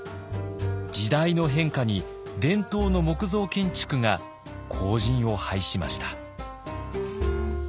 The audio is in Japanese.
時代の変化に伝統の木造建築が後じんを拝しました。